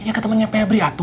ya ke temennya febri atu